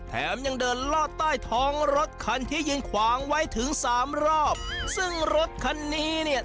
แถมยังเดินลอดใต้ท้องรถคันที่ยืนขวางไว้ถึงสามรอบซึ่งรถคันนี้เนี่ย